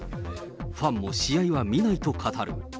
ファンも試合は見ないと語る。